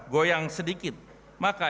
goyang sedikit maka